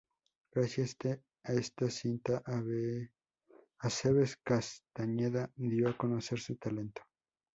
Gracias a esta cinta Aceves Castañeda dio a conocer su talento.